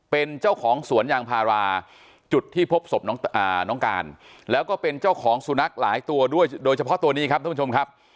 เป็นเจ้าของสวนยางพาราจุดที่พบศพน้องการแล้วก็เป็นเจ้าของสุนัขหลายตัวด้วยโดยเฉพาะตัวนี้ครับท่านผู้ชมครับ